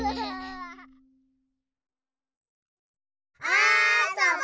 あそぼ！